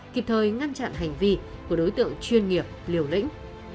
kịp thời ngăn chặn hành vi của đối tượng chuyên nghiệp liều lĩnh